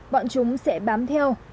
bọn chúng sẽ bám theo